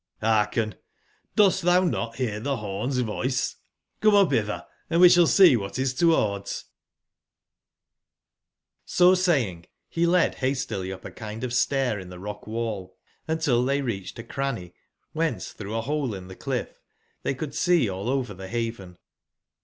Hearken I Dost tbou not bear tbe born's voice? Come up bitber and we sball see wbat is towards/' \0 saying, be led bastily up a kind of stair in tbe rock/wall, until tbey reacbed a cranny, wbence tbrougb a bole in tbe clifl^, tbey could see all over tbe baven.